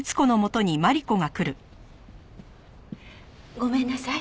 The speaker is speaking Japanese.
ごめんなさい。